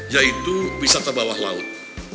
yaitu wisata bawah laut